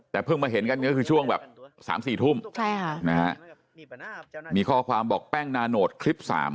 แต่เพิ่งมาเห็นกันก็คือช่วงแบบ๓๔ทุ่มมีข้อความบอกแป้งนาโนตคลิป๓